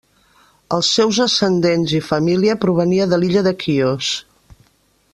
Els seus ascendents i família provenia de l'illa de Quios.